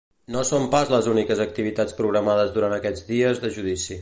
No són pas les úniques activitats programades durant aquests dies de judici.